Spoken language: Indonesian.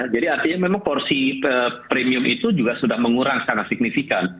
jadi artinya memang porsi premium itu juga sudah mengurang sangat signifikan